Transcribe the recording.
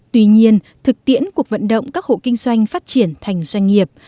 tuy nhiên thực tiễn cuộc vận động các hộ kinh doanh phát triển thành doanh nghiệp